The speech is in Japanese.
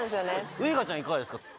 ウイカちゃんいかがですか？